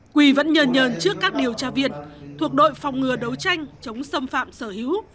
quỳ vẫn nhờn nhờn trước các điều tra viên thuộc đội phòng ngừa đấu tranh chống xâm phạm sở hữu